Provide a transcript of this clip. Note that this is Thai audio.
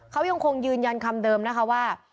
เขายังคงยืนยันคำเดิมนะคะว่า